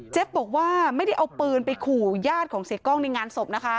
บอกว่าไม่ได้เอาปืนไปขู่ญาติของเสียกล้องในงานศพนะคะ